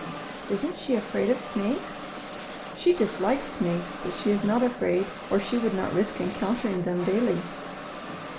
"Isn't she afraid of snakes?" "She dislikes snakes, but she is not afraid or she would not risk encountering them daily."